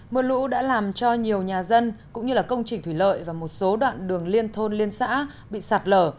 mưa lũ đã làm cho nhiều nhà dân cũng như công trình thủy lợi và một số đoạn đường liên thôn liên xã bị sạt lở